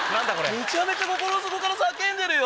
めちゃめちゃ心の底から叫んでるよ。